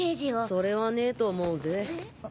それはねえと思うぜ。